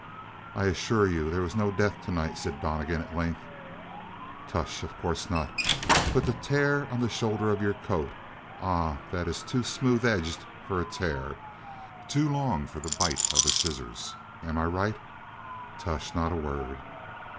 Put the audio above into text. "I assure you, there was no death tonight," said Donnegan at length. "Tush! Of course not! But the tear on the shoulder of your coat ah, that is too smooth edged for a tear, too long for the bite of a scissors. Am I right? Tush! Not a word!"